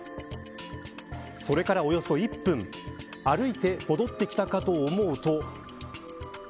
それからおよそ１分歩いて戻ってきたかと思うと。